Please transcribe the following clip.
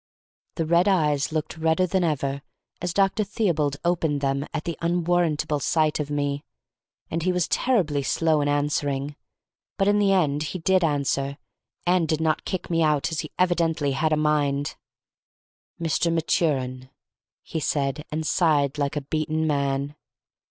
The red eyes looked redder than ever as Dr. Theobald opened them at the unwarrantable sight of me; and he was terribly slow in answering. But in the end he did answer, and did not kick me out as he evidently had a mind. "Mr. Maturin," he said, and sighed like a beaten man.